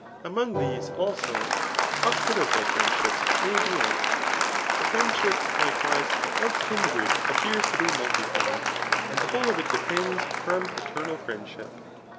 Among these, also, hospitable friendship may be ranked. The friendship, likewise, of kindred appears to be multiform, and the whole of it depends from paternal friendship.